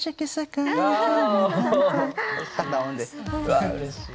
わあうれしい。